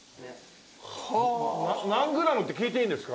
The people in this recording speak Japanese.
な何グラムって聞いていいんですか？